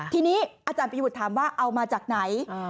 ทีนี้อาจารย์ประยุทธ์ถามว่าเอามาจากไหน